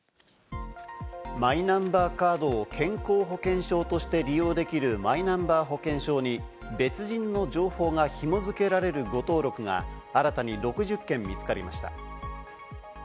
マイナンバーカードを健康保険証として利用できるマイナンバー保険証に別人の情報がひも付けられる誤登録が新たに６０件見つかりました。